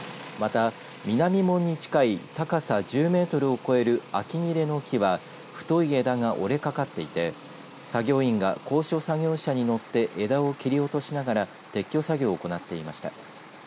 また、南門に近い高さ１０メートルを超えるアキニレの木は太い枝が折れかかっていて作業員が高所作業車に乗って枝を切り落としながら撤去作業を行っていました。